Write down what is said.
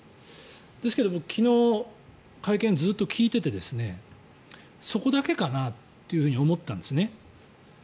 ですけど、僕昨日の会見をずっと聞いていてそこだけかなというふうに思ったんですね。